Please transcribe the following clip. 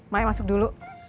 mari masuk dulu